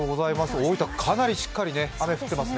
大分かなりしっかり雨降ってますね。